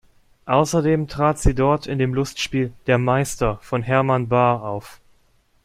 Außerdem trat sie dort in dem Lustspiel "Der Meister" von Hermann Bahr auf.